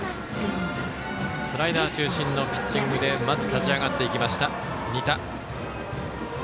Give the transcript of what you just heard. スライダー中心のピッチングでまず立ち上がっていきました仁田。